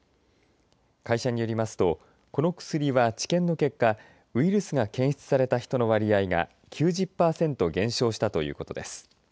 会社によりますとこの薬は治験の結果ウイルスが検出された人の割合が９０パーセント減少したということです。